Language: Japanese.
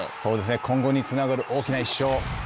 今後につながる大きな１勝。